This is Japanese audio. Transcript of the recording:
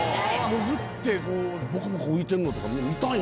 潜ってボコボコ浮いてんのとか見たいもんね。